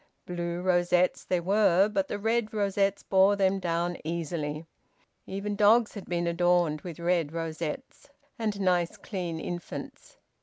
Blue rosettes there were, but the red rosettes bore them down easily. Even dogs had been adorned with red rosettes, and nice clean infants!